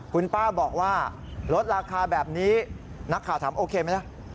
คุณป้าบอกว่าลดราคาแบบนี้นักข่าวถามโอเคไหมล่ะ